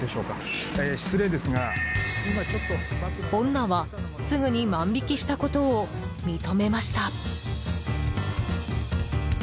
女は、すぐに万引きしたことを認めました。